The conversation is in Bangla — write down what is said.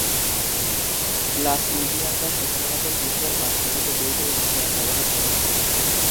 গ্লাসউইজিয়ানরা সাধারণত টিনজাত বাষ্পীভূত দুধ এবং জ্যাম ব্যবহার করে।